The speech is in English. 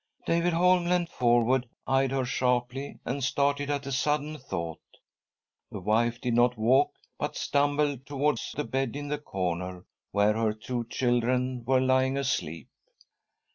David Holm leant forward, eyed her sharply, and started at a sudden thought. The wife did not walk, but stumbled towards the bed in the corner, where her two children were lying asleep.